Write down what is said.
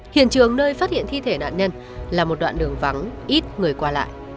hiện trường nơi phát hiện thi thể nạn nhân là một đoạn đường vắng ít người qua lại